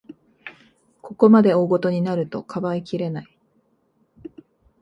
ここまで大ごとになると、かばいきれない